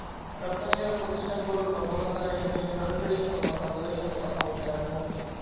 রপ্তানিকারক প্রতিষ্ঠানগুলোর কর্মকর্তারা এসব বিষয়ে সরাসরি সংবাদমাধ্যমের সঙ্গে কথা বলতে রাজি হননি।